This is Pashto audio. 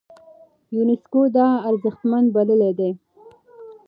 يونسکو دا ارزښتمن بللی دی.